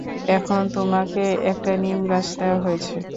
এখন তোমাকে একটা নিমগাছ দেওয়া হয়েছে।